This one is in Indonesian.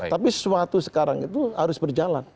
tapi sesuatu sekarang itu harus berjalan